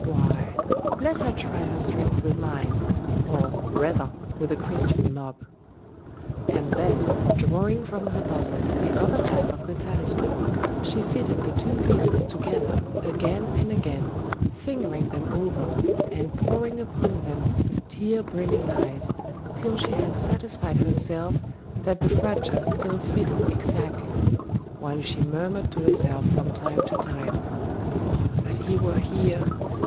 why let her try her strength with mine or, rather, with a Christian mob.' And then, drawing from her bosom the other half of the talisman, she fitted the two pieces together again and again, fingering them over, and poring upon them with tear brimming eyes, till she had satisfied herself that the fracture still fitted exactly; while she murmured to herself from time to time 'Oh, that he were here!